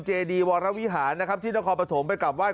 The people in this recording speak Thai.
เจดีวรวิหารนะครับที่นครปฐมไปกลับไห้